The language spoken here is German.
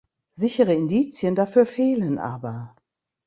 Sichere Indizien dafür fehlen aber.